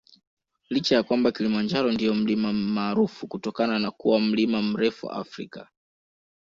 Licha ya kwamba Kilimanjaro ndio mlima maarufu kutokana na kuwa mlima mrefu Afrika